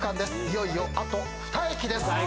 いよいよあと２駅です。